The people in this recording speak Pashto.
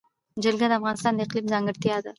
جلګه د افغانستان د اقلیم ځانګړتیا ده.